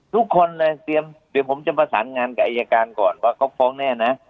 ทุกคนเลยเตรียมเดี๋ยวผมจะประสานงานกับอายการก่อนว่าเขาฟ้องแน่นะ